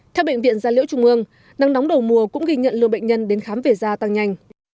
theo bệnh viện gia liễu trung ương nắng nóng đầu mùa cũng ghi nhận lượng bệnh nhân đến khám về da tăng nhanh